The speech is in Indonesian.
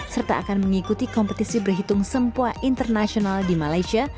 serta akan mengikuti kompetisi berhitung sempua internasional di malaysia